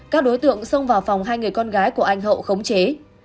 các đối tượng xông vào phòng hai người con gái của anh hậu khống chế